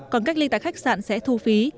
còn cách ly tại khách sạn sẽ thu phí